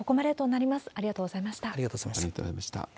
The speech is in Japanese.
ありがとうございまありがとうございました。